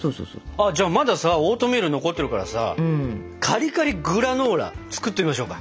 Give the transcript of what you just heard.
じゃあまださオートミール残ってるからさカリカリグラノーラ作ってみましょうか？